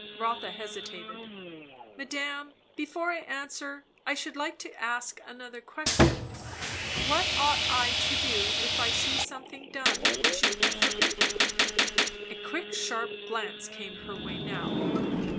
Rotha hesitated. "Madame, before I answer I should like to ask another question. What ought I to do if I see something done which you have forbidden?" A quick sharp glance came her way now.